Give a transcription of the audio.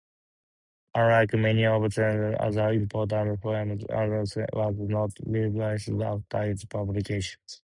Unlike many of Tennyson's other important poems, "Ulysses" was not revised after its publication.